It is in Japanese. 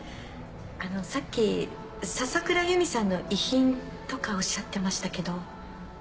あのさっき笹倉由美さんの遺品とかおっしゃってましたけど。